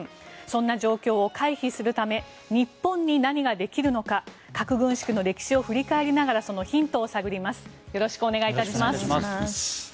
そんな状況を回避するため日本に何ができるのか核軍縮の歴史を振り返りながらそのヒントを探ります。